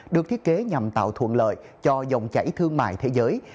được thiết kế nhằm tạo thuận lợi cho dòng chảy thương mại thế giới